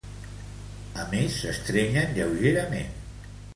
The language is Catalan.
A més, s'estrenyen lleugerament.